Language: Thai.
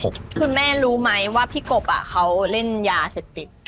คุณแม่รู้ไหมว่าพี่กบเขาเล่นยาเสพติด